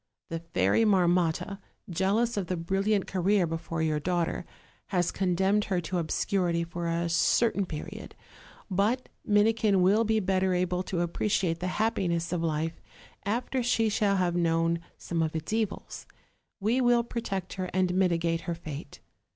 The Fairy Marmotta, jealous of the brillant career before your daughter, has condemned her to obscurity for a certain period; but Minikin will be better able to appreciate the happiness of life after she shall have known some of its evils: we will protect her and mitigate her fate.